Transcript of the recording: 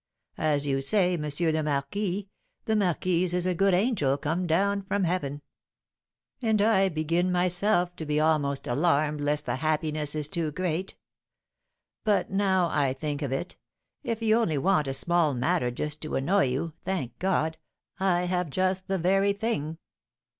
Ah, as you say, M. le Marquis, the marquise is a good angel come down from heaven; and I begin myself to be almost alarmed lest the happiness is too great; but now I think of it, if you only want a small matter just to annoy you, thank God, I have just the very thing!"